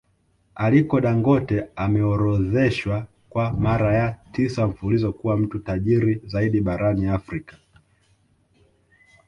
Aliko Dangote ameorodheshwa kwa mara ya tisa mfululizo kuwa mtu tajiri zaidi barani Afrika